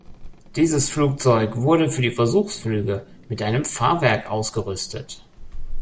Dieses Flugzeug wurde für die Versuchsflüge mit einem Fahrwerk ausgerüstet.